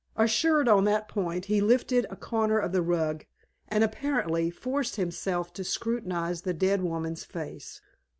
Assured on that point, he lifted a corner of the rug, and, apparently, forced himself to scrutinize the dead woman's face.